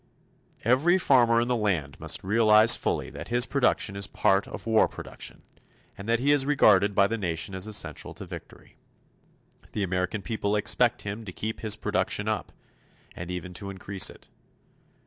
Every farmer in the land must realize fully that his production is part of war production, and that he is regarded by the nation as essential to victory. The American people expect him to keep his production up, and even to increase it.